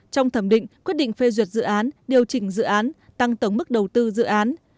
trong thẩm định quyết định phê duyệt dự án điều chỉnh dự án tăng tổng mức đầu tư dự án